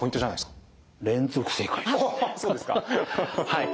はい。